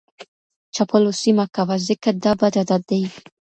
چاپلوسي مه کوه ځکه دا بد عادت دی.